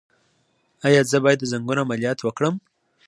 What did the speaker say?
ایا زه باید د زنګون عملیات وکړم؟